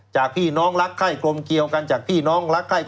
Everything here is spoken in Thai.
จากพี่น้องรักไข้กลมเกี่ยวกัน